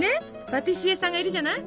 パティシエさんがいるじゃない？